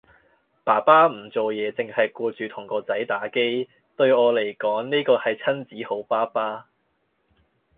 爸爸唔做嘢凈系顧住同個仔打機，對我嚟講呢個係親子好爸爸